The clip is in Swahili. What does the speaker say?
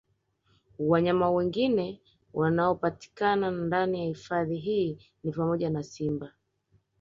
Wanyama wengine wanaopatikana ndani ya hifadhi hii ni pamoja na Simba